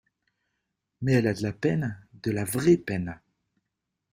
Mais elle a de la peine, de la vraie peine!